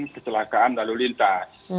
kecelakaan lalu lintas